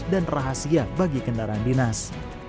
dan rahasia bagi kendaraan dinas